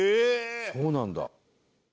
そうなんだ。